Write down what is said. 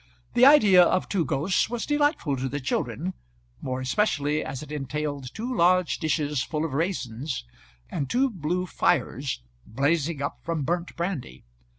The idea of two ghosts was delightful to the children, more especially as it entailed two large dishes full of raisins, and two blue fires blazing up from burnt brandy.